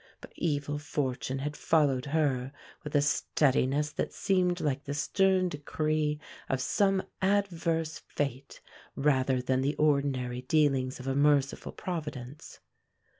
But evil fortune had followed her with a steadiness that seemed like the stern decree of some adverse fate rather than the ordinary dealings of a merciful Providence.